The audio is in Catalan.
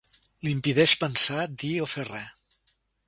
Li impedeix pensar, dir o fer res.